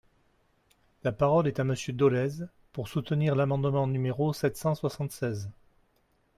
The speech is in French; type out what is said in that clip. La parole est à Monsieur Dolez, pour soutenir l’amendement numéro sept cent soixante-seize.